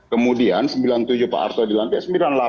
kemudian sembilan puluh tujuh pak harto dilantik